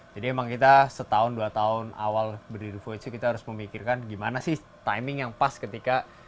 jadi memang kita setahun dua tahun awal beli di voyage kita harus memikirkan gimana sih timing yang pas ketika